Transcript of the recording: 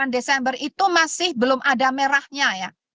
dua puluh delapan desember itu masih belum ada merahnya ya